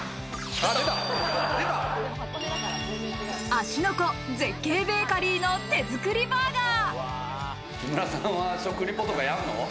芦ノ湖絶景ベーカリーの手作りバーガー。